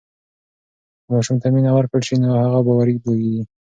که ماشوم ته مینه ورکړل سي نو هغه باوري لویېږي.